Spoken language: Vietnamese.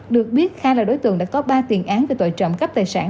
được biết kha là đối tượng đã có ba tiền án về tội trộm cắp tài sản